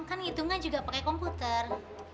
kan ngitungan juga pakai komputer